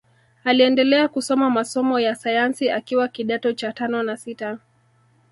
Aliendelea kusoma masomo ya sayansi akiwa kidato cha tano na sita